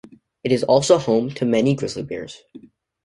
It is also home to many grizzly bears.